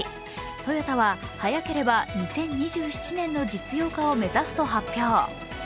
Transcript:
トヨタは早ければ２０２７年の実用化を目指すと発表。